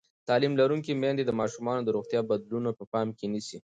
تعلیم لرونکې میندې د ماشومانو د روغتیا بدلونونه په پام کې نیسي.